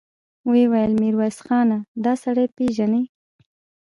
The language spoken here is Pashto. ويې ويل: ميرويس خانه! دآسړی پېژنې؟